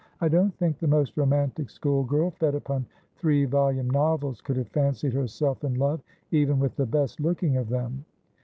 I don't think the most romantic school girl, fed upon three volume novels, could have fancied herself in love even with the best looking of them.'